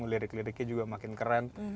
lirik liriknya juga makin keren